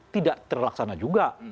tidak terlaksana juga